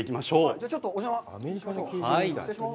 じゃあ、ちょっとお邪魔しましょう。